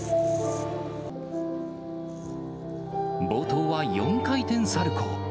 冒頭は４回転サルコー。